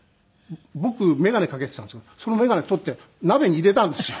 僕眼鏡かけてたんですけどその眼鏡取って鍋に入れたんですよ。